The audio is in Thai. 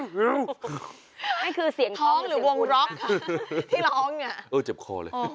ไม่คือเสียงท้องหรือเสียงคุณค่ะท้องหรือวงร็อกค่ะที่ร้องน่ะโอ๊ยเจ็บคอเลย